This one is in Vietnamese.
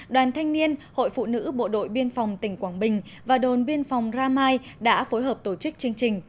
đoàn thanh niên hội phụ nữ bộ đội biên phòng tỉnh quảng bình và đồn biên phòng ramai đã phối hợp tổ chức chương trình